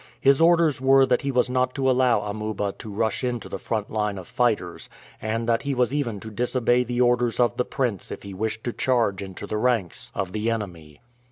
His orders were that he was not to allow Amuba to rush into the front line of fighters, and that he was even to disobey the orders of the prince if he wished to charge into the ranks of the enemy.